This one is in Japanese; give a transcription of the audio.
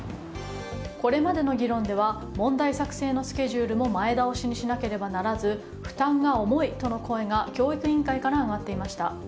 これまでの議論では問題作成のスケジュールも前倒しにしなければならず負担が重いとの声が教育委員会から上がっていました。